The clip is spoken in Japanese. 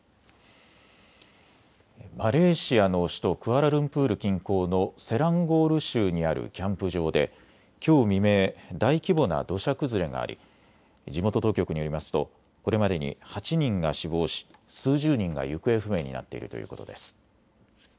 マレーシアの首都クアラルンプール近郊のセランゴール州にあるキャンプ場できょう未明、大規模な土砂崩れがあり、地元当局によりますとこれまでに８人が死亡し、数十人が行方不明になっているということです。